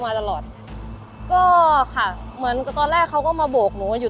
สวัสดีครับที่ได้รับความรักของคุณ